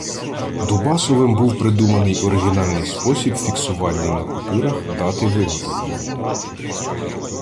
Дубасовим був придуманий оригінальний спосіб фіксування на купюрах дати виготовлення.